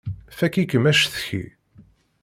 Fakk-ikem acetki!